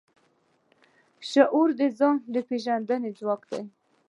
شعور د ځان د پېژندنې ځواک دی.